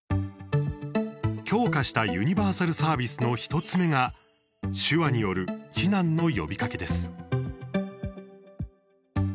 強化したユニバーサルサービスの１つ目が手話による避難の呼びかけです。